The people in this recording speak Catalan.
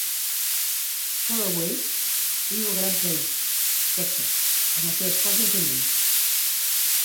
Galloway viu a Grand Prairie, Texas, amb la seva esposa Janeen.